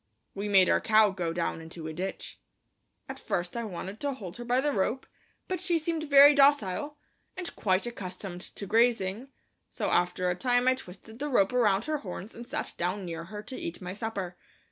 We made our cow go down into a ditch. At first I wanted to hold her by the rope, but she seemed very docile, and quite accustomed to grazing, so after a time I twisted the rope around her horns and sat down near her to eat my supper.